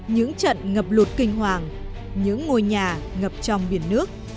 những trận ngập lụt kinh hoàng những ngôi nhà ngập trong biển nước